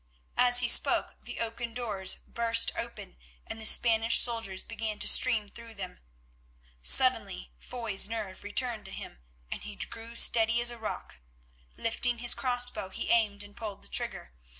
As he spoke the oaken doors burst open and the Spanish soldiers began to stream through them. Suddenly Foy's nerve returned to him and he grew steady as a rock. Lifting his crossbow he aimed and pulled the trigger.